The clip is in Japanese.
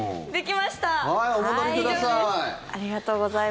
はい、お戻りください。